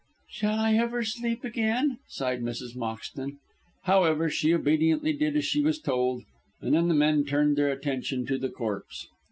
"Shall I ever sleep again?" sighed Mrs. Moxton. However, she obediently did as she was told, and then the men turned their attention to the corpse.